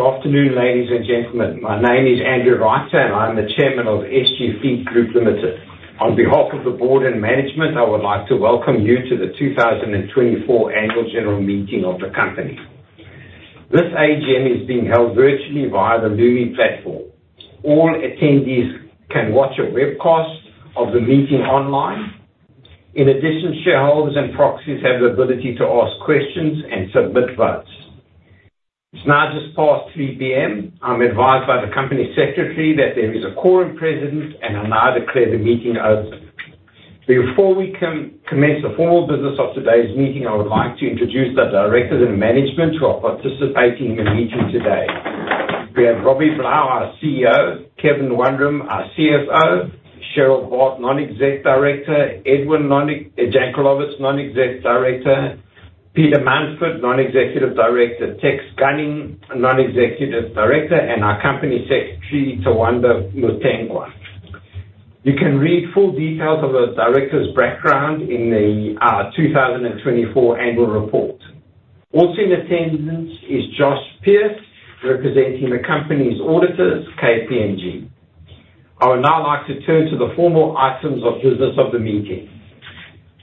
Good afternoon, ladies and gentlemen. My name is Andrew Reitzer, and I'm the Chairman of SG Fleet Group Limited. On behalf of the board and management, I would like to welcome you to the 2024 Annual General Meeting of the company. This AGM is being held virtually via the Lumi platform. All attendees can watch a webcast of the meeting online. In addition, shareholders and proxies have the ability to ask questions and submit votes. It's now just past 3:00 P.M. I'm advised by the Company Secretary that there is a quorum present, and I now declare the meeting open. Before we commence the formal business of today's meeting, I would like to introduce the directors and management who are participating in the meeting today. We have Robbie Blau, our CEO, Kevin Wundram, our CFO, Cheryl Bart, Non-Exec Director, Edwin Jankelowitz, Non-Exec Director, Peter Mountford, Non-Executive Director, Tex Gunning, Non-Executive Director, and our Company Secretary, Tawanda Mutengwa. You can read full details of the directors' background in the 2024 annual report. Also in attendance is Joshua Pearse, representing the company's auditors, KPMG. I would now like to turn to the formal items of business of the meeting.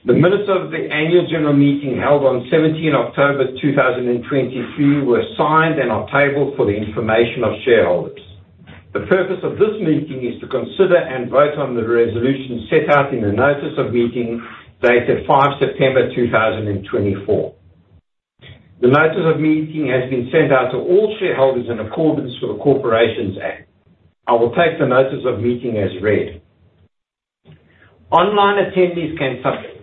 The minutes of the Annual General Meeting held on 17th October 2022 were signed and are tabled for the information of shareholders. The purpose of this meeting is to consider and vote on the resolution set out in the notice of meeting dated 5 September 2024. The notice of meeting has been sent out to all shareholders in accordance with the Corporations Act. I will take the notice of meeting as read. Online attendees can submit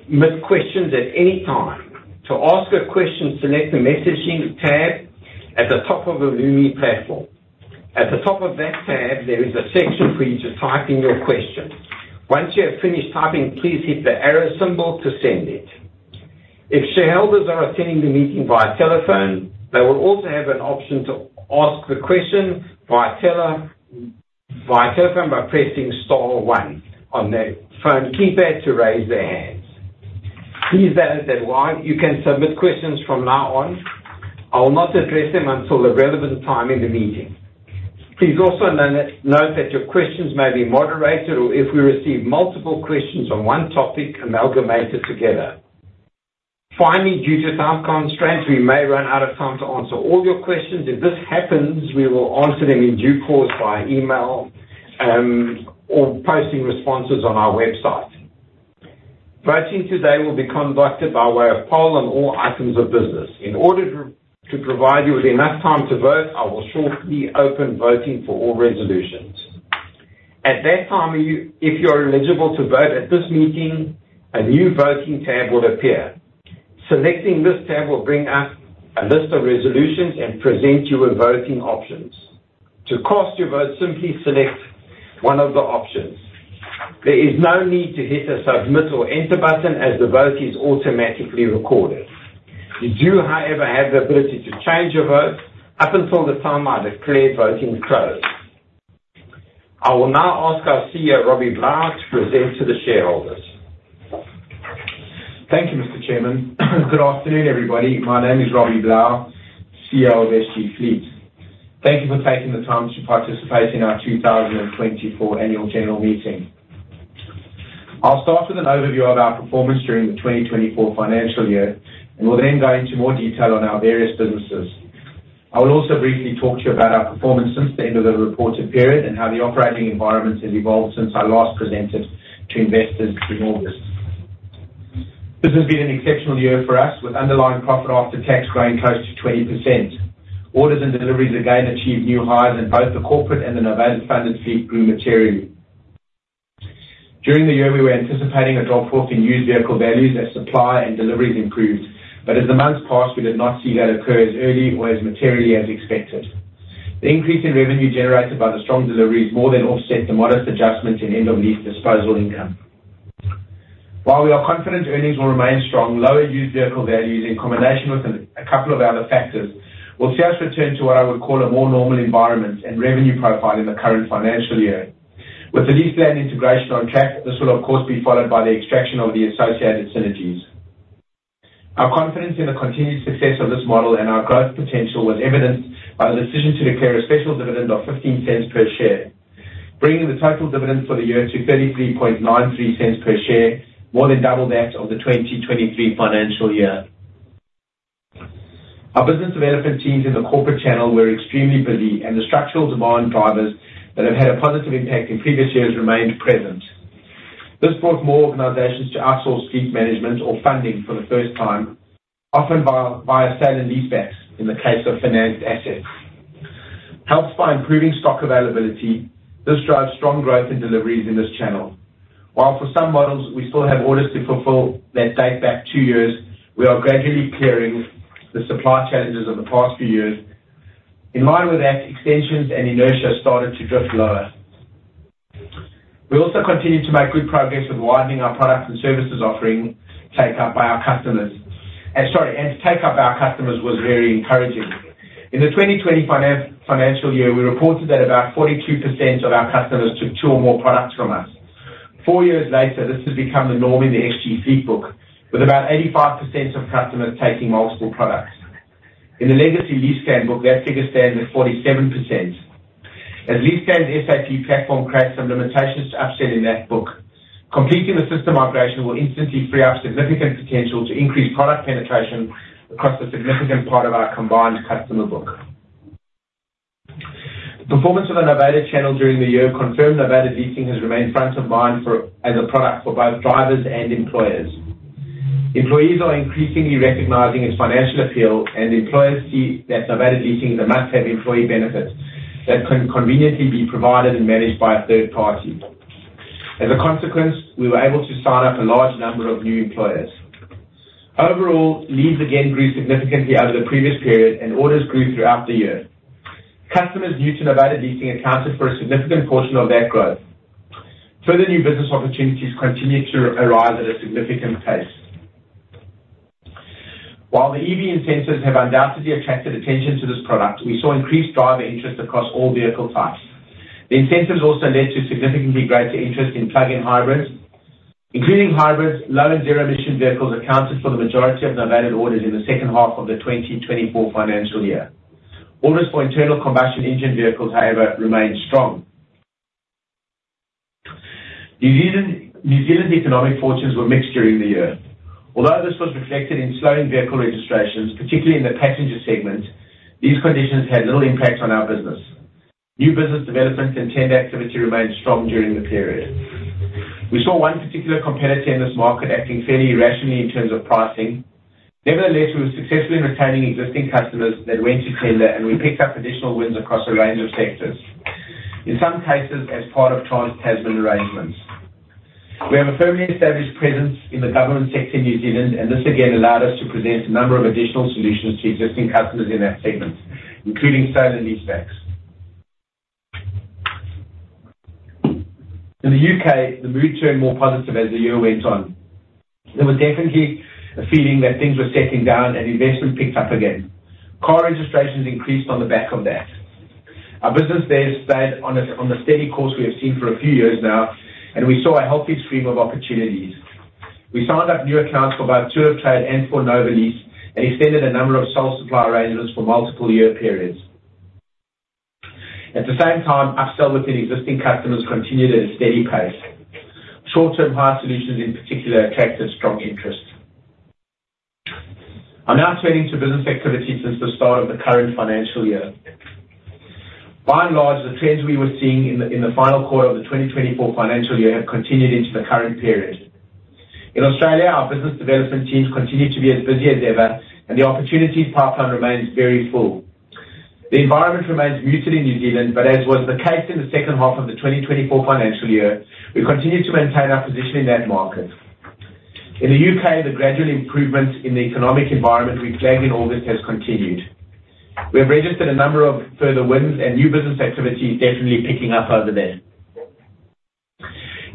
questions at any time. To ask a question, select the Messaging tab at the top of the Lumi platform. At the top of that tab, there is a section for you to type in your question. Once you have finished typing, please hit the arrow symbol to send it. If shareholders are attending the meeting via telephone, they will also have an option to ask the question via telephone by pressing star one on their phone keypad to raise their hands. Please note that while you can submit questions from now on, I will not address them until the relevant time in the meeting. Please also know that your questions may be moderated, or if we receive multiple questions on one topic, amalgamated together. Finally, due to time constraints, we may run out of time to answer all your questions. If this happens, we will answer them in due course via email, or posting responses on our website. Voting today will be conducted by way of poll on all items of business. In order to provide you with enough time to vote, I will shortly open voting for all resolutions. At that time, if you are eligible to vote at this meeting, a new Voting tab will appear. Selecting this tab will bring up a list of resolutions and present you with voting options. To cast your vote, simply select one of the options. There is no need to hit the Submit or Enter button, as the vote is automatically recorded. You do, however, have the ability to change your vote up until the time I declare voting closed. I will now ask our CEO, Robbie Blau, to present to the shareholders. Thank you, Mr. Chairman. Good afternoon, everybody. My name is Robbie Blau, CEO of SG Fleet. Thank you for taking the time to participate in our 2024 Annual General Meeting. I'll start with an overview of our performance during the 2024 Financial Year, and we'll then go into more detail on our various businesses. I will also briefly talk to you about our performance since the end of the reported period and how the operating environment has evolved since I last presented to investors in August. This has been an exceptional year for us, with underlying profit after tax growing close to 20%. Orders and deliveries again achieved new highs, and both the corporate and the novated funded fleet grew materially. During the year, we were anticipating a drop off in used vehicle values as supply and deliveries improved, but as the months passed, we did not see that occur as early or as materially as expected. The increase in revenue generated by the strong deliveries more than offset the modest adjustments in end-of-lease disposal income. While we are confident earnings will remain strong, lower used vehicle values, in combination with a couple of other factors, will see us return to what I would call a more normal environment and revenue profile in the current financial year. With the LeasePlan integration on track, this will, of course, be followed by the extraction of the associated synergies. Our confidence in the continued success of this model and our growth potential was evidenced by the decision to declare a special dividend of $ 0.15 per share, bringing the total dividends for the year to $ 0.3393 per share, more than double that of the 2023 Financial Year. Our business development teams in the corporate channel were extremely busy, and the structural demand drivers that have had a positive impact in previous years remained present. This brought more organizations to outsource fleet management or funding for the first time, often via sale and leasebacks in the case of financed assets. Helped by improving stock availability, this drives strong growth in deliveries in this channel. While for some models, we still have orders to fulfill that date back two years, we are gradually clearing the supply challenges of the past few years. In line with that, extensions and inertia started to drift lower. We also continued to make good progress with widening our products and services offering take-up by our customers. Take-up by our customers was very encouraging. In the 2020 Financial Year, we reported that about 42% of our customers took two or more products from us. Four years later, this has become the norm in the SG Fleet book, with about 85% of customers taking multiple products. In the legacy LeasePlan book, that figure stands at 47%. As LeasePlan's SAP platform creates some limitations to upsell in that book, completing the system migration will instantly free up significant potential to increase product penetration across a significant part of our combined customer book. The performance of the novated channel during the year confirmed novated leasing has remained front of mind for, as a product for both drivers and employers. Employees are increasingly recognizing its financial appeal, and employers see that novated leasing is a must-have employee benefit that can conveniently be provided and managed by a third party. As a consequence, we were able to sign up a large number of new employers. Overall, leads again grew significantly over the previous period, and orders grew throughout the year. Customers new to novated leasing accounted for a significant portion of that growth. Further, new business opportunities continued to arise at a significant pace. While the EV incentives have undoubtedly attracted attention to this product, we saw increased driver interest across all vehicle types. The incentives also led to significantly greater interest in plug-in hybrids. Including hybrids, low and zero-emission vehicles accounted for the majority of novated orders in the second half of the 2024 Financial Year. Orders for internal combustion engine vehicles, however, remained strong. New Zealand. New Zealand's economic fortunes were mixed during the year. Although this was reflected in slowing vehicle registrations, particularly in the passenger segment, these conditions had little impact on our business. New business developments and tender activity remained strong during the period. We saw one particular competitor in this market acting fairly irrationally in terms of pricing. Nevertheless, we were successful in retaining existing customers that went to tender, and we picked up additional wins across a range of sectors. In some cases, as part of Trans-Tasman arrangements. We have a firmly established presence in the government sector in New Zealand, and this again allowed us to present a number of additional solutions to existing customers in that segment, including sale and leasebacks. In the U.K., the mood turned more positive as the year went on. There was definitely a feeling that things were settling down and investment picked up again. Car registrations increased on the back of that. Our business there stayed on a steady course we have seen for a few years now, and we saw a healthy stream of opportunities. We signed up new accounts for both our trade and for novated lease, and extended a number of sole supplier arrangements for multiple year periods. At the same time, upsell within existing customers continued at a steady pace. Short-term hire solutions, in particular, attracted strong interest. I'll now turn into business activity since the start of the current financial year. By and large, the trends we were seeing in the final quarter of the 2024 Financial Year have continued into the current period. In Australia, our business development teams continue to be as busy as ever, and the opportunities pipeline remains very full. The environment remains muted in New Zealand, but as was the case in the second half of the 2024 Financial Year, we continued to maintain our position in that market. In the UK, the gradual improvements in the economic environment we flagged in August has continued. We have registered a number of further wins, and new business activity is definitely picking up over there.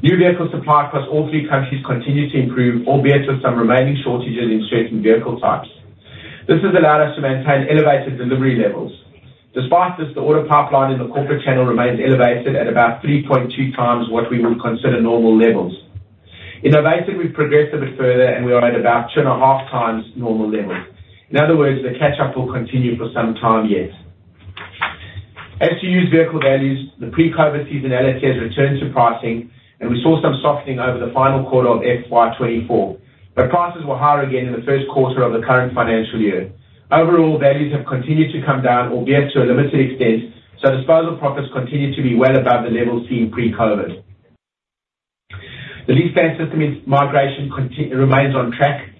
New vehicle supply across all three countries continues to improve, albeit with some remaining shortages in certain vehicle types. This has allowed us to maintain elevated delivery levels. Despite this, the order pipeline in the corporate channel remains elevated at about 3.2x what we would consider normal levels. In Novated, we've progressed a bit further, and we are at about 2.5x normal levels. In other words, the catch-up will continue for some time yet. As to used vehicle values, the pre-COVID seasonality has returned to pricing, and we saw some softening over the final quarter of FY 2024, but prices were higher again in the first quarter of the current financial year. Overall, values have continued to come down, albeit to a limited extent, so disposal profits continue to be well above the levels seen pre-COVID. The LeasePlan system migration remains on track.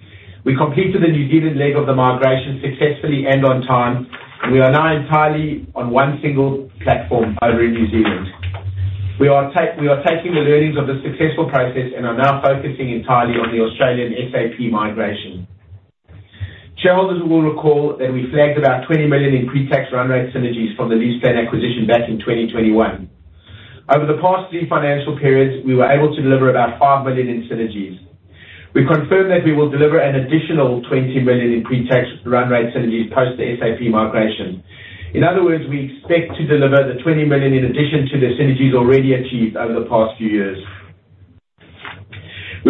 We completed the New Zealand leg of the migration successfully and on time, and we are now entirely on one single platform over in New Zealand. We are taking the learnings of this successful process and are now focusing entirely on the Australian SAP migration. Shareholders will recall that we flagged about $ 20 million in pre-tax run rate synergies from the LeasePlan acquisition back in 2021. Over the past three financial periods, we were able to deliver about $ 5 million in synergies. We confirm that we will deliver an additional $ 20 million in pre-tax run rate synergies post the SAP migration. In other words, we expect to deliver the $ 20 million in addition to the synergies already achieved over the past few years.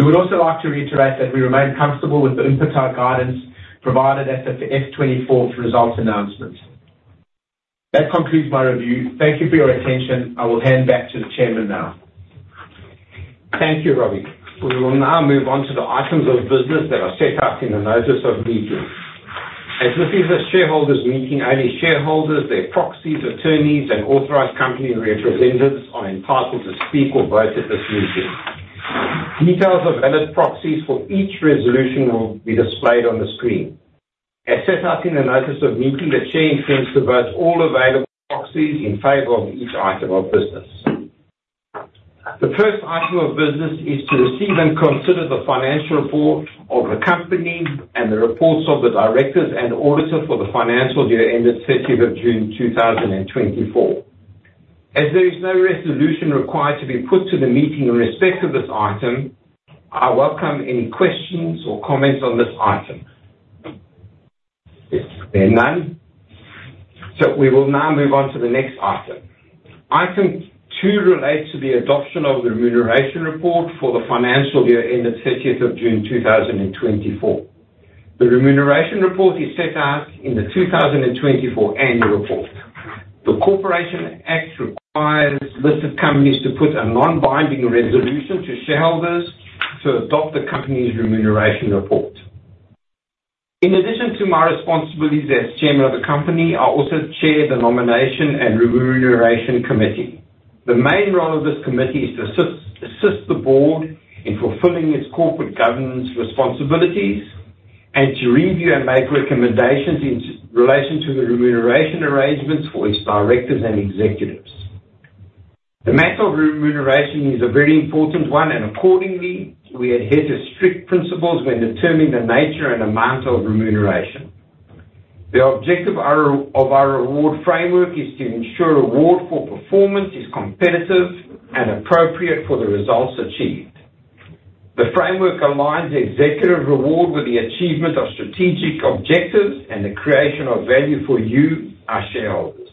We would also like to reiterate that we remain comfortable with the UNPATA guidance provided at the FY 2024 results announcement. That concludes my review. Thank you for your attention. I will hand back to the Chairman now. Thank you, Robbie. We will now move on to the items of business that are set out in the notice of meeting. As this is a shareholders meeting, only shareholders, their proxies, attorneys, and authorized company representatives are entitled to speak or vote at this meeting. Details of valid proxies for each resolution will be displayed on the screen. As set out in the notice of meeting, the Chair intends to vote all available proxies in favor of each item of business. The first item of business is to receive and consider the financial report of the company and the reports of the directors and auditor for the Financial Year ended 30 June 2024. As there is no resolution required to be put to the meeting in respect of this item, I welcome any questions or comments on this item? Yes, there are none. So we will now move on to the next item. Item two relates to the adoption of the remuneration report for the Financial Year ended 30th June, 2024. The remuneration report is set out in the 2024 annual report. The Corporations Act requires listed companies to put a non-binding resolution to shareholders to adopt the company's remuneration report. In addition to my responsibilities as chairman of the company, I also chair the Nomination and Remuneration Committee. The main role of this committee is to assist the board in fulfilling its corporate governance responsibilities and to review and make recommendations in relation to the remuneration arrangements for its directors and executives. The matter of remuneration is a very important one, and accordingly, we adhere to strict principles when determining the nature and amount of remuneration. The objective of our reward framework is to ensure reward for performance is competitive and appropriate for the results achieved. The framework aligns the executive reward with the achievement of strategic objectives and the creation of value for you, our shareholders.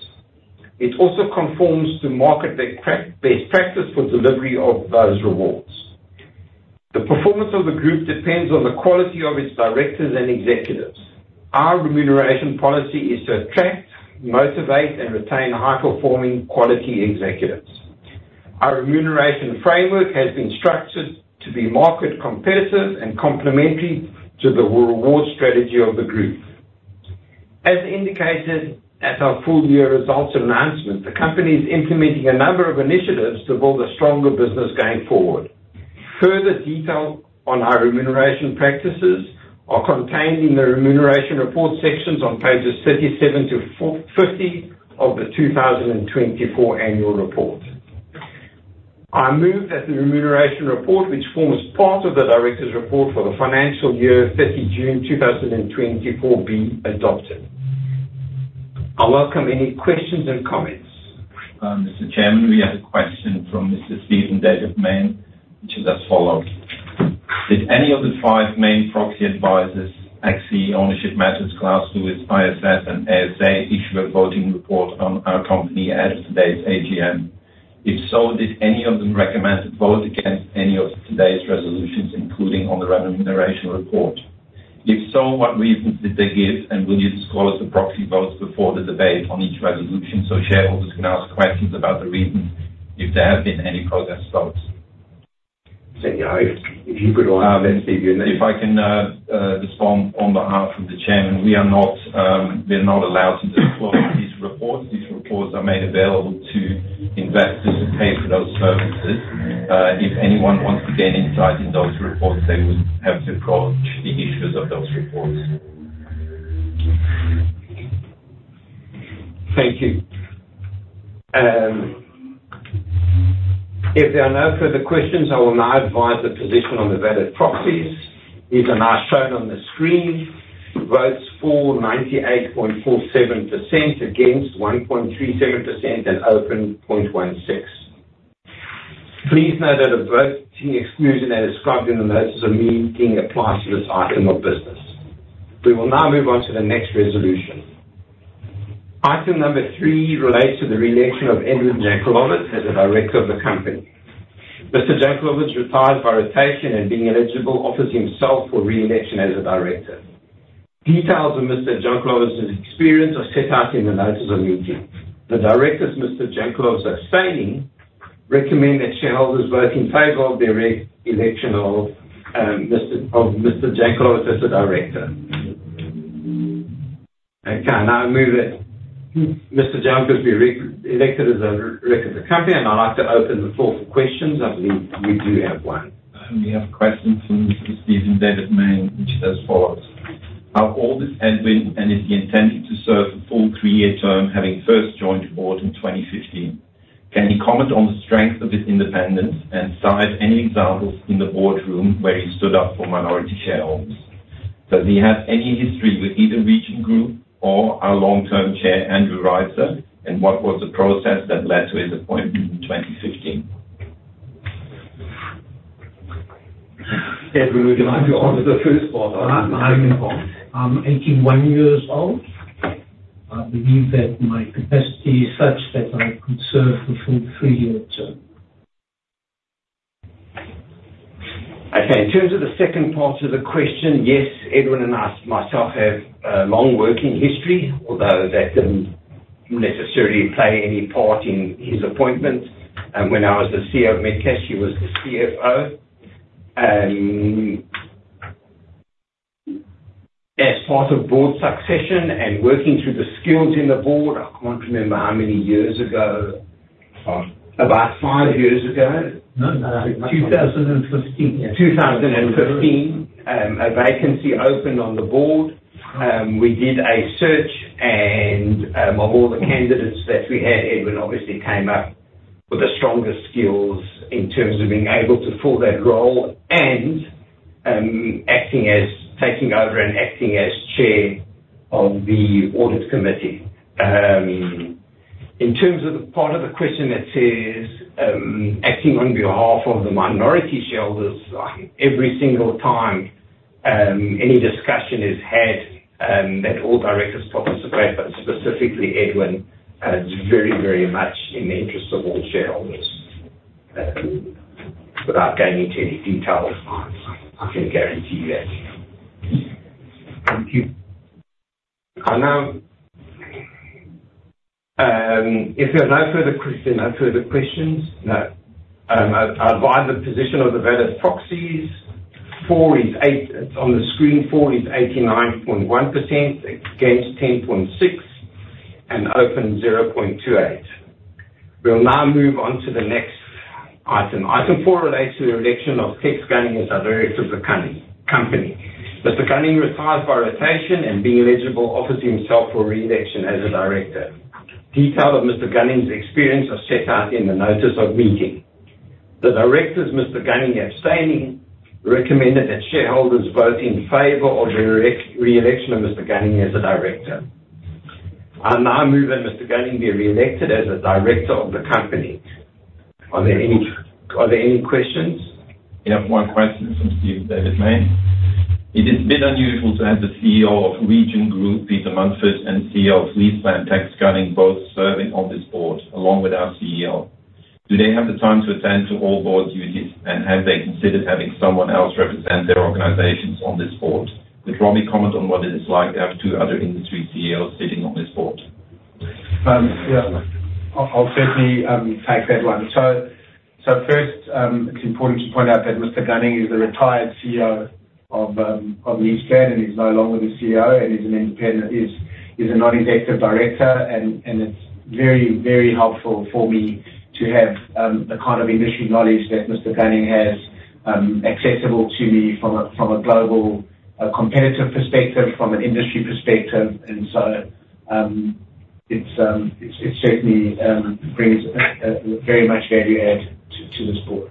It also conforms to market best practice for delivery of those rewards. The performance of the group depends on the quality of its directors and executives. Our remuneration policy is to attract, motivate, and retain high-performing quality executives. Our remuneration framework has been structured to be market competitive and complementary to the reward strategy of the group. As indicated at our full-year results announcement, the company is implementing a number of initiatives to build a stronger business going forward. Further detail on our remuneration practices are contained in the remuneration report sections on pages 37 to 50 of the 2024 annual report. I move that the remuneration report, which forms part of the directors' report for the Financial Year, 30 June 2024, be adopted. I welcome any questions and comments. Mr. Chairman, we have a question from Mr. Stephen Mayne, which is as follows: "Did any of the five main proxy advisors, ACSI, Ownership Matters, Glass Lewis, ISS, and ASA, issue a voting report on our company as of today's AGM? If so, did any of them recommend to vote against any of today's resolutions, including on the remuneration report? If so, what reasons did they give, and will you disclose the proxy votes before the debate on each resolution so shareholders can ask questions about the reasons, if there have been any protest votes? If you could answer then. If I can respond on behalf of the chairman, we are not, we're not allowed to disclose these reports. These reports are made available to investors who pay for those services. If anyone wants to gain insight in those reports, they would have to approach the issuers of those reports. Thank you. If there are no further questions, I will now advise the position on the valid proxies. These are now shown on the screen. Votes for, 98.47%, against, 1.37%, and open, 0.16%. Please note that the voting exclusion, as described in the notices of meeting, applies to this item of business. We will now move on to the next resolution. Item number three relates to the reelection of Edwin Jankelowitz as a director of the company. Mr. Jankelowitz retired by rotation, and being eligible, offers himself for reelection as a director. Details of Mr. Jankelowitz's experience are set out in the notices of meeting. The directors, Mr. Jankelowitz, abstaining, recommend that shareholders vote in favor of the re-election of Mr. Jankelowitz as a director. Okay, I now move that Mr. Jankelowitz be re-elected as a director of the company, and I'd like to open the floor for questions. I believe we do have one. We have a question from Mr. Stephen Mayne, which is as follows: "How old is Edwin, and is he intending to serve a full three-year term, having first joined the board in 2015? Can he comment on the strength of his independence, and cite any examples in the boardroom where he stood up for minority shareholders? Does he have any history with either Region Group or our long-term chair, Andrew Reitzer, and what was the process that led to his appointment in 2015? Edwin, would you like to answer the first part? I'm 81 years old. I believe that my capacity is such that I could serve the full three-year term. Okay. In terms of the second part of the question, yes, Edwin and I, myself, have a long working history, although that didn't necessarily play any part in his appointment. When I was the CEO of Metcash, he was the CFO. As part of board succession and working through the skills in the board, I can't remember how many years ago. Five. About five years ago. No, no. 2015. 2015, a vacancy opened on the board. We did a search, and, of all the candidates that we had, Edwin obviously came up with the strongest skills in terms of being able to fill that role and, taking over and acting as chair of the audit committee. In terms of the part of the question that says, acting on behalf of the minority shareholders, every single time, any discussion is had, that all directors participate, but specifically, Edwin, is very, very much in the interest of all shareholders. Without going into any details, I can guarantee you that. Thank you. I now, if there are no further questions? No. I advise the position of the valid proxies. For is eight... It's on the screen, for 89.1%, against 10.6%, and abstain 0.28%. We'll now move on to the next item. Item four relates to the reelection of Tex Gunning as a director of the company. Mr. Gunning retires by rotation, and being eligible, offers himself for reelection as a director. Detail of Mr. Gunning's experience are set out in the notice of meeting. The directors, Mr. Gunning abstaining, recommended that shareholders vote in favor of the reelection of Mr. Gunning as a director. I now move that Mr. Gunning be reelected as a director of the company. Are there any, are there any questions? Yeah, one question from Stephen Mayne. It is a bit unusual to have the CEO of Super Group, Peter Mountford, and CEO of LeasePlan, Tex Gunning, both serving on this board, along with our CEO. Do they have the time to attend to all board duties, and have they considered having someone else represent their organizations on this board? Could Robbie comment on what it is like to have two other industry CEOs sitting on this board? Yeah, I'll certainly take that one. So first, it's important to point out that Mr. Gunning is the retired CEO of LeasePlan, and he's no longer the CEO, and he's an independent. He's a non-executive director, and it's very helpful for me to have the kind of industry knowledge that Mr. Gunning has accessible to me from a global competitive perspective, from an industry perspective. And so, it's certainly brings very much value add to this board.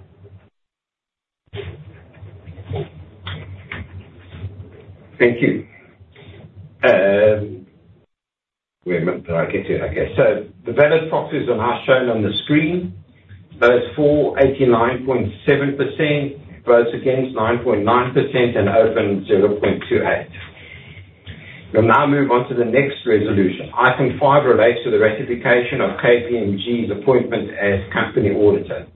Thank you. Wait a minute, did I get it? Okay, so the valid proxies are now shown on the screen. Votes for, 89.7%, votes against, 9.9%, and open, 0.28%. We'll now move on to the next resolution. Item five relates to the ratification of KPMG's appointment as company auditor.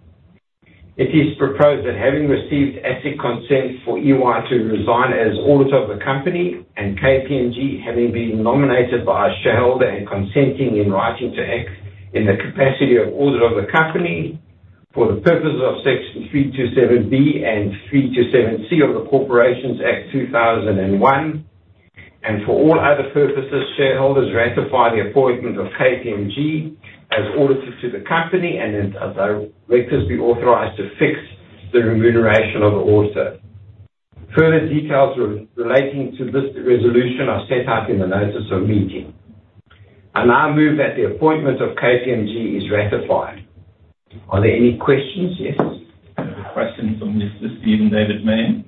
It is proposed that having received ASIC consent for EY to resign as auditor of the company, and KPMG having been nominated by a shareholder and consenting in writing to act in the capacity of auditor of the company, for the purposes of Section 327B and 327C of the Corporations Act 2001, and for all other purposes, shareholders ratify the appointment of KPMG as auditors to the company, and then the directors be authorized to fix the remuneration of the auditor. Further details relating to this resolution are set out in the notice of meeting. I now move that the appointment of KPMG is ratified. Are there any questions? Yes. I have a question from Mr. Stephen David Mayne,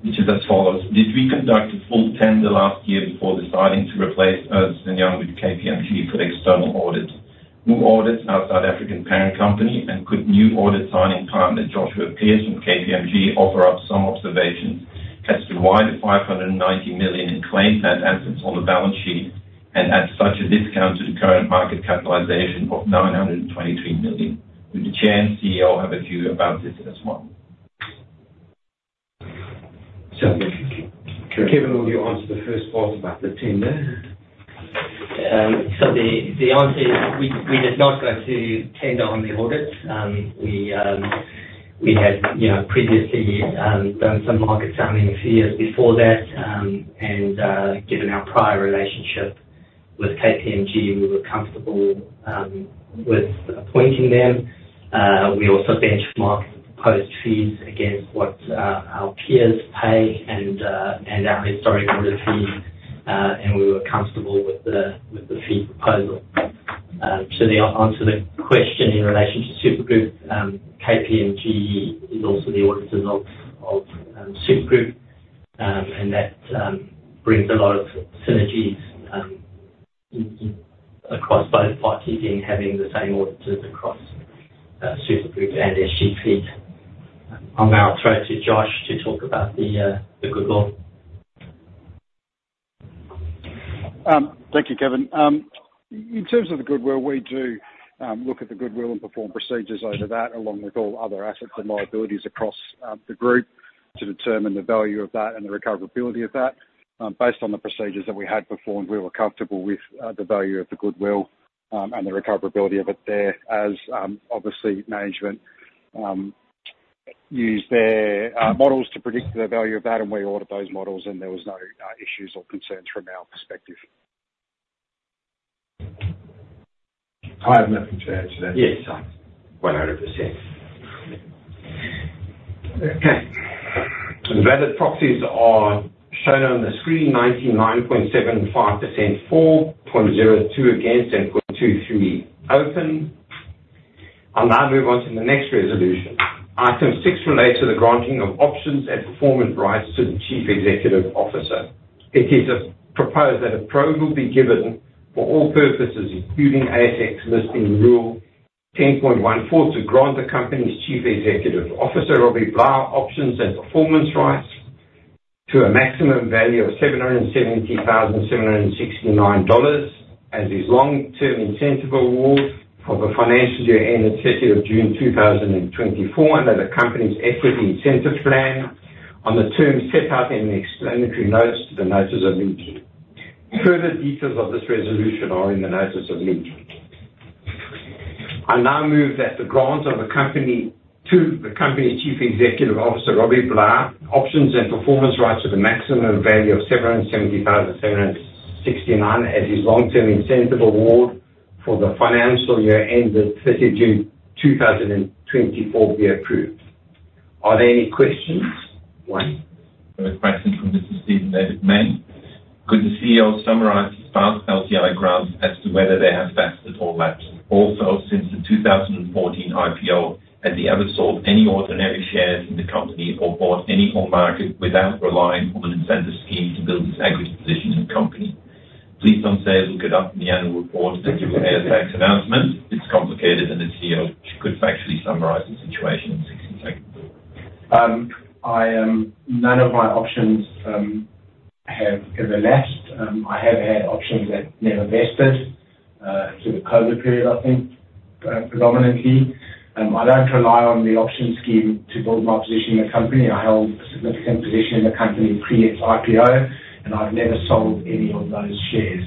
which is as follows: Did we conduct a full tender last year before deciding to replace Ernst & Young with KPMG for the external audit, who audits our South African parent company? And could new audit signing partner, Joshua Pearse from KPMG, offer up some observations as to why the $ 590 million in claimed net assets on the balance sheet, and at such a discount to the current market capitalization of $ 923 million? Do the Chair and CEO have a view about this as well? So, Kevin, will you answer the first part about the tender? The answer is we did not go to tender on the audit. We had, you know, previously done some market sounding a few years before that. Given our prior relationship with KPMG, we were comfortable with appointing them. We also benchmarked the proposed fees against what our peers pay and our historic audit fees, and we were comfortable with the fee proposal. On to the question in relation to Super Group, KPMG is also the auditors of Super Group, and that brings a lot of synergies across both parties in having the same auditors across Super Group and SGP. Now I'll throw to Josh to talk about the goodwill. Thank you, Kevin. In terms of the goodwill, we do look at the goodwill and perform procedures over that, along with all other assets and liabilities across the group, to determine the value of that and the recoverability of that. Based on the procedures that we had performed, we were comfortable with the value of the goodwill and the recoverability of it there, as obviously management use their models to predict the value of that, and we audit those models, and there was no issues or concerns from our perspective. I have nothing to add to that. Yes, 100%. Okay. The valid proxies are shown on the screen, 99.75% for, 0.02% against, and 0.23% open. I'll now move on to the next resolution. Item six relates to the granting of options and performance rights to the Chief Executive Officer. It is proposed that approval be given for all purposes, including ASX Listing Rule 10.14, to grant the company's Chief Executive Officer, Robbie Blau, options and performance rights to a maximum value of $ 770,769, as his long-term incentive award for the Financial Year ended 30 June 2024, under the company's equity incentive plan on the terms set out in the explanatory notes to the notices of meeting. Further details of this resolution are in the notices of meeting. I now move that the grant of the company to the company's Chief Executive Officer, Robbie Blau, options and performance rights to the maximum value of $ 770,769 as his long-term incentive award for the Financial Year ended 30 June 2024 be approved. Are there any questions? Wayne? There's a question from Mr. Stephen Mayne. Could the CEO summarize his past LTI grants as to whether they have vested or lapsed? Also, since the 2014 IPO, has he ever sold any ordinary shares in the company or bought any on market without relying on an incentive scheme to build his equity position in the company? Please don't say, "Look it up in the annual report and the ASX announcement." It's complicated, and the CEO could factually summarize the situation in 60 seconds. None of my options have elapsed. I have had options that never vested through the COVID period, I think, predominantly. I don't rely on the option scheme to build my position in the company. I held a significant position in the company pre its IPO, and I've never sold any of those shares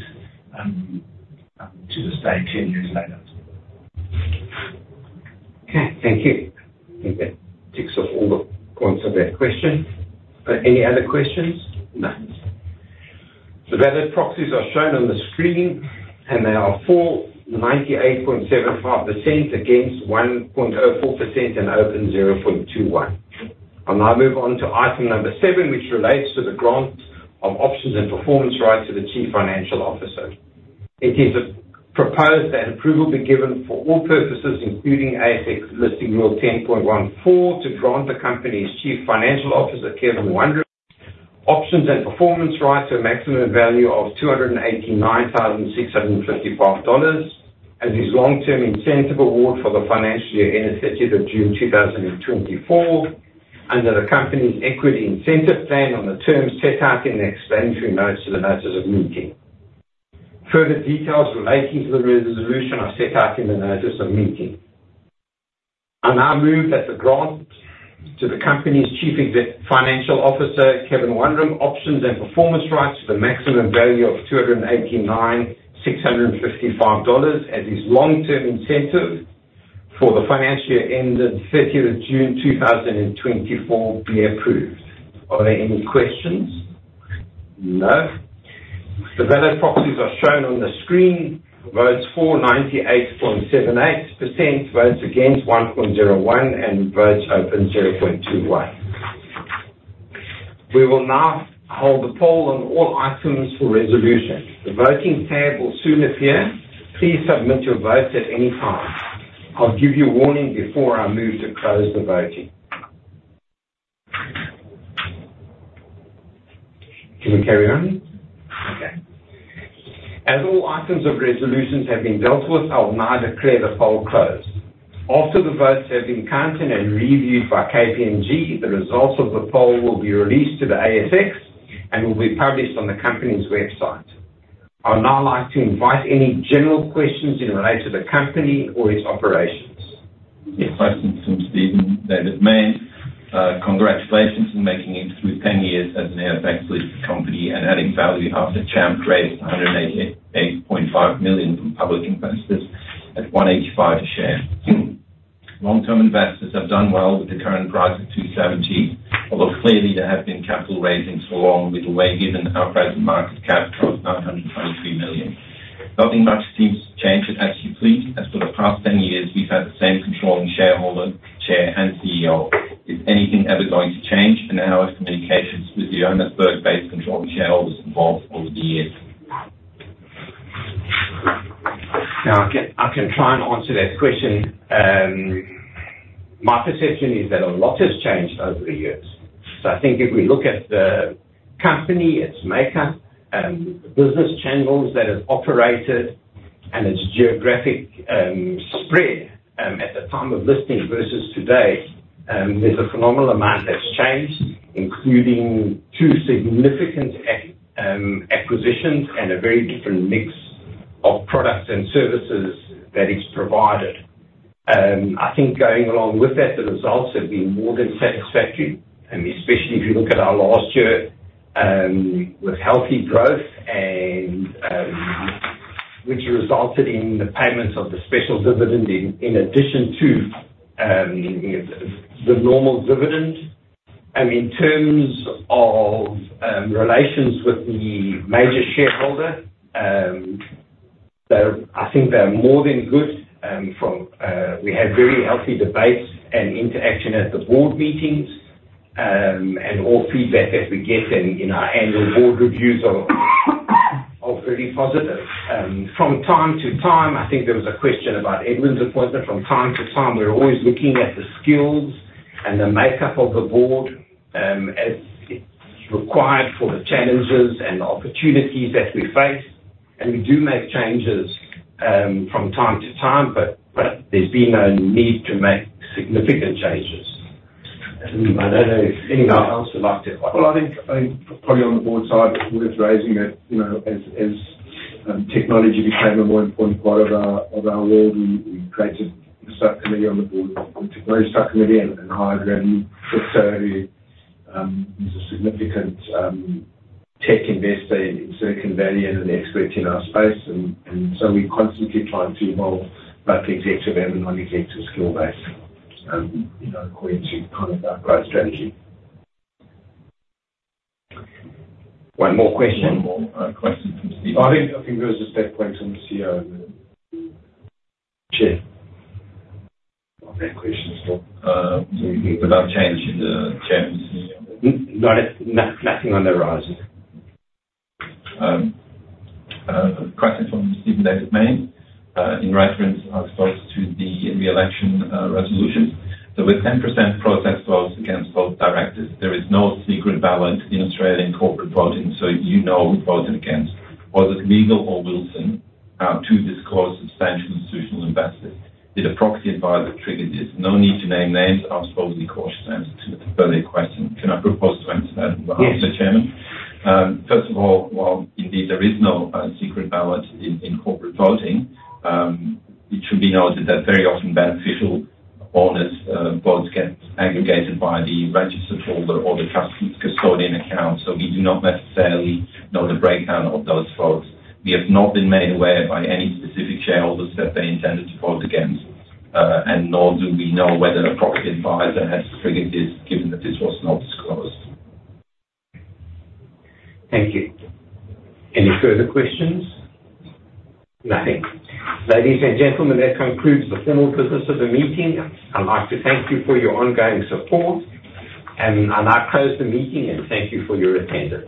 to this day, 10 years later. Okay, thank you. I think that ticks off all the points of that question. Are any other questions? No. The valid proxies are shown on the screen, and they are for 98.75%, against 1.24%, and open 0.21%. I'll now move on to item number seven, which relates to the grant of options and performance rights to the Chief Financial Officer. It is proposed that approval be given for all purposes, including ASX Listing Rule 10.14, to grant the company's Chief Financial Officer, Kevin Wundram, options and performance rights to a maximum value of $ 289,655, as his long-term incentive award for the Financial Year ended 30th June 2024, under the company's equity incentive plan on the terms set out in the explanatory notes to the notices of meeting. Further details relating to the resolution are set out in the notices of meeting. I now move that the grant to the company's Chief Financial Officer, Kevin Wundram, options and performance rights to the maximum value of $ 289,655, as his long-term incentive for the Financial Year ended 30th June 2024, be approved. Are there any questions? No. The valid proxies are shown on the screen. Votes for, 98.78%, votes against, 1.01%, and votes open, 0.21%. We will now hold the poll on all items for resolution. The voting tab will soon appear. Please submit your votes at any time. I'll give you a warning before I move to close the voting. Can we carry on? Okay. As all items of resolutions have been dealt with, I will now declare the poll closed. After the votes have been counted and reviewed by KPMG, the results of the poll will be released to the ASX and will be published on the company's website. I would now like to invite any general questions in relation to the company or its operations. Yes, question from Stephen Mayne. Congratulations on making it through ten years as an ASX-listed company and adding value after CHAMP Private Equity raised $ 188.5 million from public investors at $ 1.85 a share. Long-term investors have done well with the current price at $ 2.70, although clearly there have been capital raisings along the way, given our present market cap of $ 923 million. Nothing much seems to change as you please. As for the past ten years, we've had the same controlling shareholder, chair, and CEO. Is anything ever going to change? And how have communications with the Johannesburg based controlling shareholders evolved over the years? Now, I can try and answer that question. My perception is that a lot has changed over the years. So I think if we look at the company, its makeup, the business channels that have operated, and its geographic spread, at the time of listing versus today, there's a phenomenal amount that's changed, including two significant acquisitions and a very different mix of products and services that is provided. I think going along with that, the results have been more than satisfactory, and especially if you look at our last year, with healthy growth and, which resulted in the payments of the special dividend in addition to, the normal dividend. And in terms of relations with the major shareholder, they're. I think they're more than good. We have very healthy debates and interaction at the board meetings, and all feedback that we get in our annual board reviews are very positive. From time to time, I think there was a question about Edwin's appointment. From time to time, we're always looking at the skills and the makeup of the board, as it's required for the challenges and opportunities that we face, and we do make changes from time to time, but there's been no need to make significant changes. I don't know if anyone else would like to- I think probably on the board side, it's worth raising that, you know, as technology became a more important part of our world, we created a subcommittee on the board, a technology subcommittee, and hired a new person who is a significant tech investor in Silicon Valley and an expert in our space. And so we constantly trying to evolve both the executive and non-executive skill base, you know, according to kind of our growth strategy. One more question. One more question from Stephen. I think there was a second point from the CEO, Chair. On that question, so, So you think about change in the chairman, CEO? No, nothing on the horizon. A question from Stephen Mayne. "In reference, first to the re-election resolution. So with 10% protest votes against both directors, there is no secret ballot in Australian corporate voting, so you know who voted against. Was it Regal or Wilson to disclose substantial institutional investors? Did a proxy advisor trigger this? No need to name names, I'll supposedly cautious answer to the further question." Can I propose to answer that on behalf of the chairman? Yes. First of all, while indeed there is no secret ballot in corporate voting, it should be noted that very often beneficial owners votes get aggregated by the registered holder or the custodian account, so we do not necessarily know the breakdown of those votes. We have not been made aware by any specific shareholders that they intended to vote against, and nor do we know whether the proxy advisor has triggered this, given that this was not disclosed. Thank you. Any further questions? Nothing. Ladies and gentlemen, that concludes the formal business of the meeting. I'd like to thank you for your ongoing support, and I now close the meeting, and thank you for your attendance.